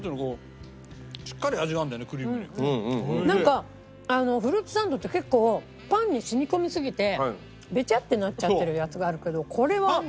なんかあのフルーツサンドって結構パンに染み込みすぎてベチャッてなっちゃってるやつがあるけどこれは。